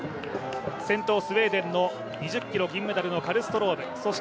先頭スウェーデンの２０ｋｍ金メダルのカルストローム。